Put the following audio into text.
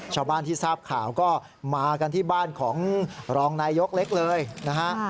ชาวบ้านที่ทราบข่าวก็มากันที่บ้านของรองนายยกเล็กเลยนะฮะ